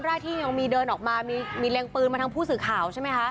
แรกที่ยังมีเดินออกมามีเล็งปืนมาทั้งผู้สื่อข่าวใช่ไหมคะ